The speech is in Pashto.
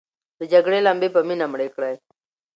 د جګړې لمبې په مینه مړې کړئ.